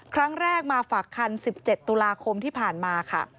ครั้งแรกมาฝากคัน๑๗ตุลาคมที่ผ่านมาค่ะ